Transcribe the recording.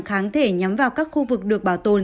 kháng thể nhắm vào các khu vực được bảo tồn